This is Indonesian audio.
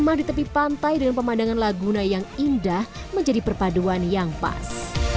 rumah di tepi pantai dengan pemandangan laguna yang indah menjadi perpaduan yang pas